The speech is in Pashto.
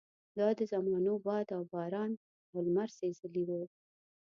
دا د زمانو باد او باران او لمر سېزلي وو.